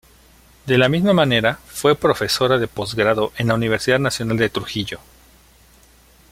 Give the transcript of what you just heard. De la misma manera, fue profesora de postgrado en la Universidad Nacional de Trujillo.